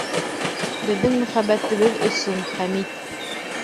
Беҙҙең мөхәббәтебеҙ өсөн, Хәмит!